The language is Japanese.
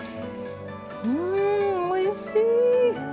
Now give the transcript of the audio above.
うんおいしい！